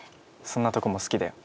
そんなとこも好きだよ